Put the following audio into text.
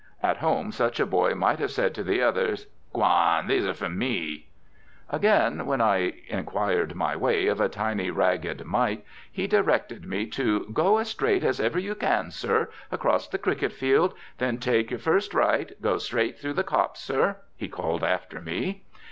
At home such a boy might have said to the others: "G'wan, these're fer me." Again, when I inquired my way of a tiny, ragged mite, he directed me to "go as straight as ever you can go, sir, across the cricket field; then take your first right; go straight through the copse, sir," he called after me.